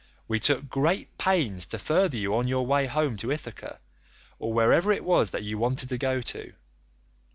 We took great pains to further you on your way home to Ithaca, or wherever it was that you wanted to go to.